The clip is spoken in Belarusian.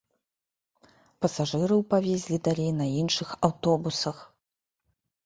Пасажыраў павезлі далей на іншых аўтобусах.